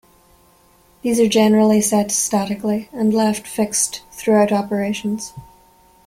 These are generally set statically, and left fixed throughout operations.